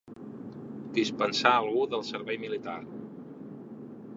Dispensar algú del servei militar.